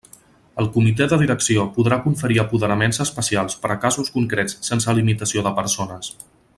El Comité de Direcció podrà conferir apoderaments especials per a casos concrets sense limitació de persones.